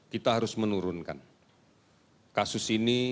kita harus menurunkan kasus ini